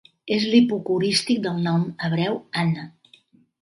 És l'hipocorístic del nom hebreu Anna.